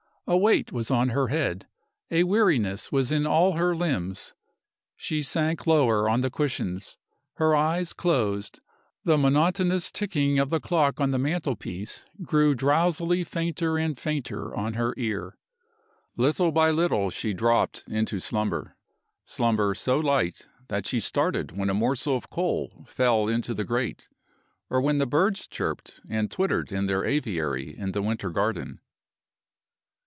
A weight was on her head, a weariness was in all her limbs. She sank lower on the cushions her eyes closed the monotonous ticking of the clock on the mantelpiece grew drowsily fainter and fainter on her ear. Little by little she dropped into slumber slumber so light that she started when a morsel of coal fell into the grate, or when the birds chirped and twittered in their aviary in the winter garden.